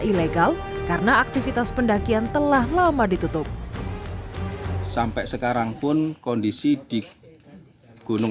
ilegal karena aktivitas pendakian telah lama ditutup sampai sekarang pun kondisi di gunung